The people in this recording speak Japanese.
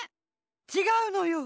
ちがうのよ。